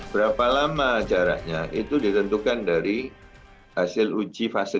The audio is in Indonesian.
berapa lama jaraknya itu ditentukan dari hasil uji fase